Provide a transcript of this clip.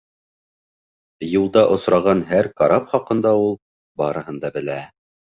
Юлда осраған һәр карап хаҡында ул барыһын да белә.